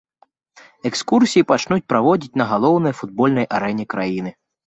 Экскурсіі пачнуць праводзіць на галоўнай футбольнай арэне краіны.